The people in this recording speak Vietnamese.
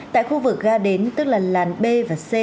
tại khu vực ga đến tức là làn b và c